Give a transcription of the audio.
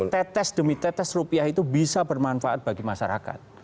tetes demi tetes rupiah itu bisa bermanfaat bagi masyarakat